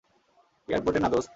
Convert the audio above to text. এয়ারপোর্টে না দোস্ত।